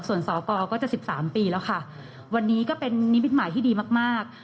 ส่วนสกก็จะ๑๓ปีแล้วค่ะวันนี้ก็เป็นนิมิตหมายที่ดีมาก